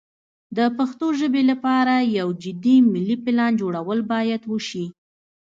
د پښتو ژبې لپاره یو جدي ملي پلان جوړول باید وشي.